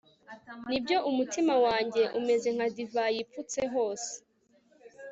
ni byo, umutima wanjye umeze nka divayi ipfutse hose